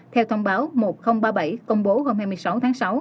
theo thông báo một nghìn ba mươi bảy công bố hôm hai mươi sáu tháng sáu